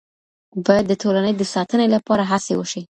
باید د ټولني د ساتنې لپاره هڅې وشي.